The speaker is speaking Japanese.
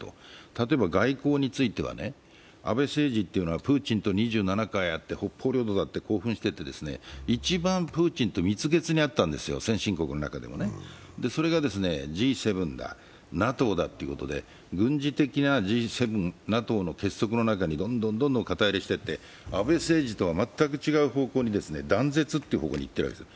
例えば外交についても安倍政治っていうのはプーチンと２７回会って、一番プーチンと蜜月にあったんですよ、先進国の中でもね。それがＧ７だＮＡＴＯだということで軍事的なＮＡＴＯの結束の中にどんどん肩入れしていって安倍政治とは全く違う方向に、断絶という方向にいっているわけです。